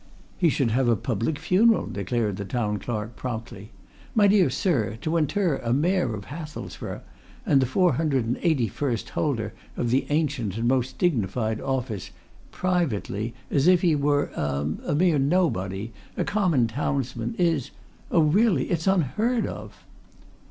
"He should have a public funeral," declared the Town Clerk promptly. "My dear sir, to inter a Mayor of Hathelsborough and the four hundred and eighty first holder of the ancient and most dignified office privately, as if he were a a mere nobody, a common townsman, is oh, really, it's unheard of!"